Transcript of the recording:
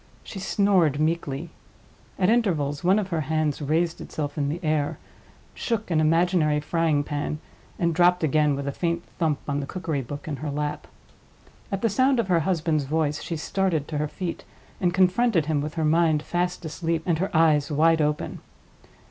She snored meekly. At intervals one of her hands raised itself in the air, shook an imaginary frying pan, and dropped again with a faint thump on the cookery book in her lap. At the sound of her husband's voice, she started to her feet, and confronted him with her mind fast asleep, and her eyes wide open.